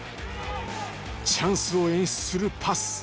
チャンスを演出するパス。